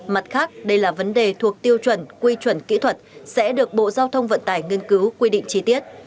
mặt khác đây là vấn đề thuộc tiêu chuẩn quy chuẩn kỹ thuật sẽ được bộ giao thông vận tải nghiên cứu quy định chi tiết